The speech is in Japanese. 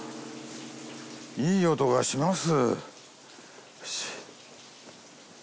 いい音がします。